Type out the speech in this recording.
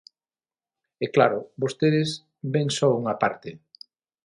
E, claro, vostedes ven só unha parte.